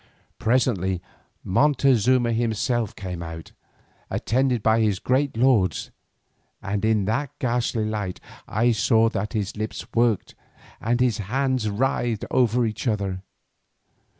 Presently Montezuma himself came out, attended by his great lords, and in that ghastly light I saw that his lips worked and his hands writhed over each other.